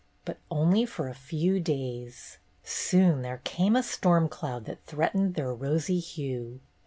But only for a few days. Soon there came a storm cloud that threatened their rosy hue.